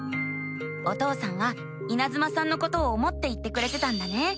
お父さんはいなずまさんのことを思って言ってくれてたんだね。